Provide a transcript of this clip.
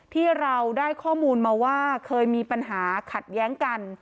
ที่เราได้ข้อมูลมาว่าเคยมีปัญหาขัดแย้งกัน